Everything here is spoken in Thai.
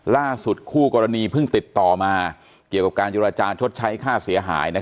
คู่กรณีเพิ่งติดต่อมาเกี่ยวกับการเจรจาชดใช้ค่าเสียหาย